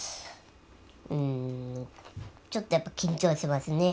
うんちょっと緊張しますね